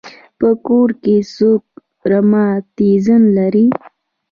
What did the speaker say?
په کور کې څوک رماتیزم لري.